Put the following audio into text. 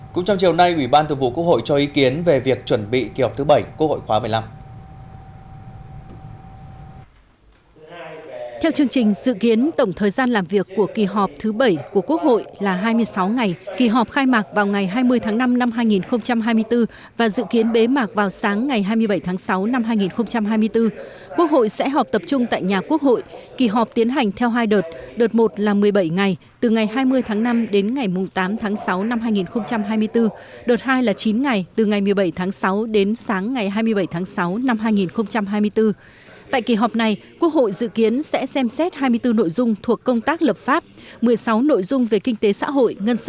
cũng trong chiều nay ủy ban thường vụ quốc hội cho ý kiến về việc chuẩn bị kỳ họp thứ bảy quốc hội khóa một mươi năm